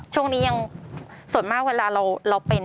ช่วงนี้ยังส่วนมากเวลาเราเป็น